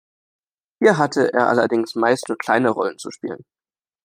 Hier hatte er allerdings meist nur kleine Rollen zu spielen.